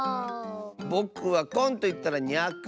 ぼくは「こん」といったら「にゃく」！